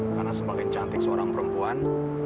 karena semakin cantik seorang perempuan